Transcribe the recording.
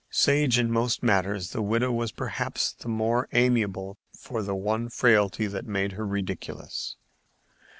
Sage in most matters, the widow was perhaps the more amiable for the one frailty that made her ridiculous.